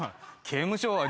刑務所は。